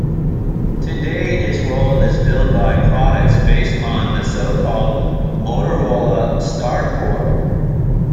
Today its role is filled by products based on the so-called Motorola StarCore.